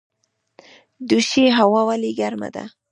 دوشي هوا ولې ګرمه ده؟